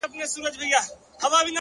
ما خو خپل زړه هغې ته وركړى ډالۍ،